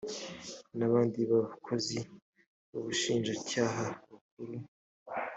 n abandi bakozi bo mu bushinjacyaha bukuru